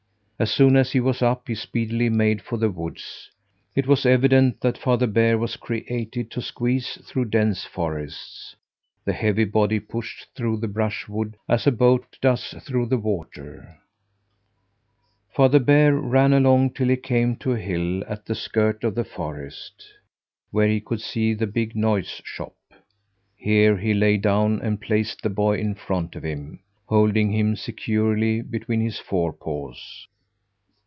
As soon as he was up, he speedily made for the woods. It was evident that Father Bear was created to squeeze through dense forests. The heavy body pushed through the brushwood as a boat does through the water. Father Bear ran along till he came to a hill at the skirt of the forest, where he could see the big noise shop. Here he lay down and placed the boy in front of him, holding him securely between his forepaws.